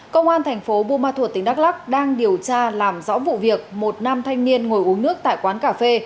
công an thành phố bumathuot tỉnh đắk lắc đang điều tra làm rõ vụ việc một nam thanh niên ngồi uống nước tại quán cà phê